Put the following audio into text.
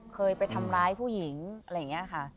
เคยไปทำร้ายผู้หญิงอะไรอย่างนี้ค่ะ